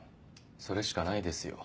それしかないですよ